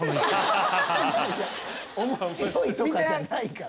面白いとかじゃないから。